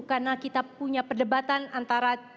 karena kita punya perdebatan antara